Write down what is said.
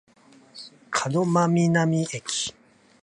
門真南駅